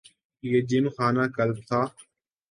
یہ Gymkhana club تھا۔